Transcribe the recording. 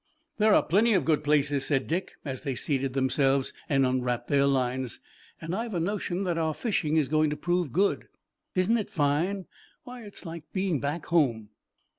"There are plenty of good places," said Dick, as they seated themselves and unwrapped their lines, "and I've a notion that our fishing is going to prove good. Isn't it fine? Why, it's like being back home!"